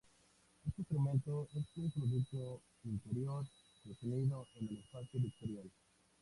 Este instrumento es un producto interior definido en el espacio vectorial.